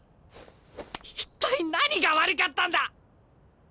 一体何が悪かったんだ！？